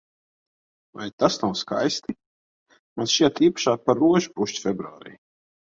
Vai tas nav skaisti? Man šķiet, īpašāk par rožu pušķi februārī.